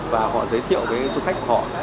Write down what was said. và họ giới thiệu với du khách của họ